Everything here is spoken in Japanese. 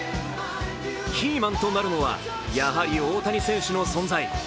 キーマンとなるのは、やはり大谷選手の存在。